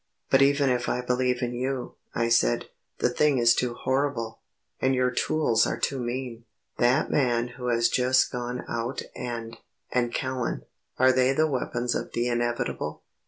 "But even if I believe you," I said, "the thing is too horrible, and your tools are too mean; that man who has just gone out and and Callan are they the weapons of the inevitable?